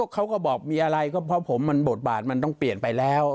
เขาก็บอกมีอะไรก็เพราะผมมันบทบาทมันต้องเปลี่ยนไปแล้ว